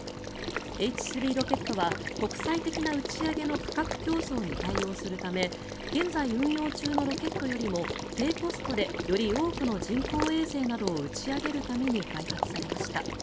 Ｈ３ロケットは国際的な打ち上げの企画競争に対応するため現在運用中のロケットよりも低コストでより多くの人工衛星などを打ち上げるために開発されました。